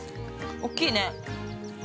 大きいね。